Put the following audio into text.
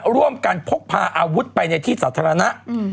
ร่วมกันพกพาอาวุธไปในที่สาธารณะ